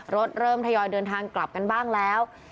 รถเริ่มทยอยเดินทางกลับกันบ้างแล้ว